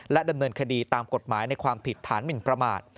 ดำเนินคดีตามกฎหมายในความผิดฐานหมินประมาท